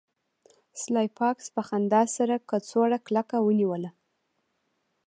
سلای فاکس په خندا سره کڅوړه کلکه ونیوله